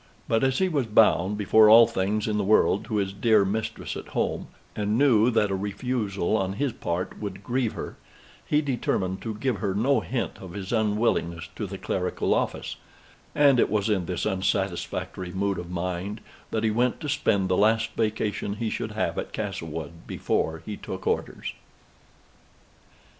But as he was bound, before all things in the world, to his dear mistress at home, and knew that a refusal on his part would grieve her, he determined to give her no hint of his unwillingness to the clerical office: and it was in this unsatisfactory mood of mind that he went to spend the last vacation he should have at Castlewood before he took orders.